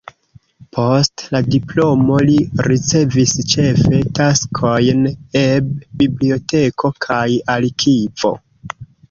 Post la diplomo li ricevis ĉefe taskojn eb biblioteko kaj arkivo.